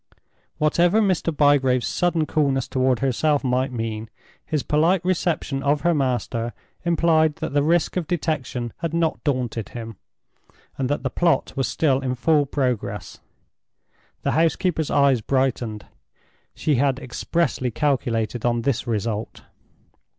Whatever Mr. Bygrave's sudden coolness toward herself might mean, his polite reception of her master implied that the risk of detection had not daunted him, and that the plot was still in full progress. The housekeeper's eyes brightened; she had expressly calculated on this result.